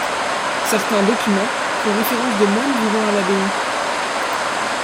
Certains documents font référence de moines vivant à l'abbaye.